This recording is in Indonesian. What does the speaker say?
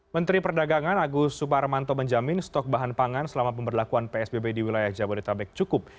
menteri perdagangan agus suparmanto menjamin stok bahan pangan selama pemberlakuan psbb di wilayah jabodetabek cukup